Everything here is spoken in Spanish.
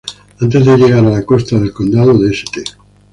Antes de llegar a la costa del condado de St.